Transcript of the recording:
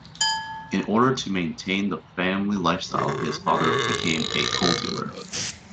In order to maintain the family lifestyle, his father became a coal-dealer.